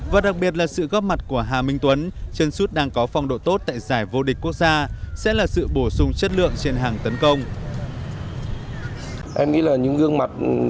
và đặc biệt là sự góp mặt của hà minh tuấn chân suốt đang có phong độ tốt tại giải vô địch quốc gia